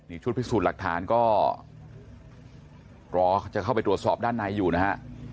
นี่ชุดพิสูจน์หลักฐานก็รอจะเข้าไปตรวจสอบด้านในอยู่นะฮะ